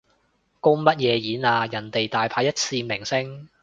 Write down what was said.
公乜嘢演啊，人哋大牌一線明星